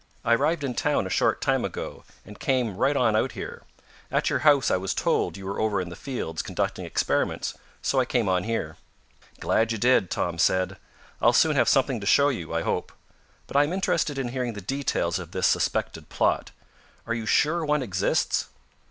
I arrived in town a short time ago, and came right on out here. At your house I was told you were over in the fields conducting experiments, so I came on here." "Glad you did," Tom said. "I'll soon have something to show you, I hope. But I am interested in hearing the details of this suspected plot. Are you sure one exists?"